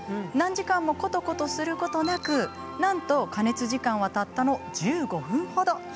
何時間もコトコトすることなくなんと加熱時間はたったの１５分ほど。